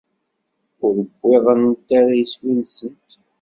Ur wwiḍent ara iswi-nsent.